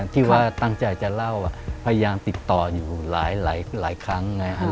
ที่ว่าตั้งใจจะเล่าพยายามติดต่ออยู่หลายครั้ง